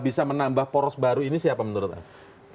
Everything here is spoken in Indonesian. bisa menambah poros baru ini siapa menurut anda